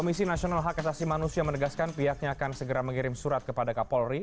komisi nasional hak asasi manusia menegaskan pihaknya akan segera mengirim surat kepada kapolri